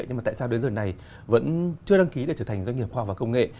nhưng mà tại sao đến giờ này vẫn chưa đăng ký để trở thành doanh nghiệp khoa học và công nghệ